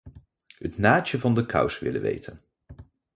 Het naadje van de kous willen weten.